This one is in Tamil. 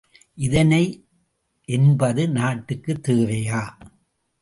இதனை என்பது நாட்டுத் தேவையை!